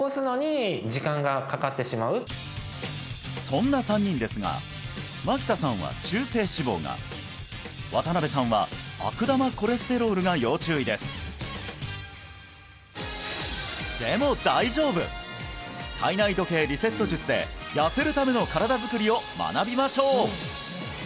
そんな３人ですが牧田さんは中性脂肪が渡邉さんは悪玉コレステロールが要注意ですでも大丈夫体内時計リセット術で痩せるための身体作りを学びましょう！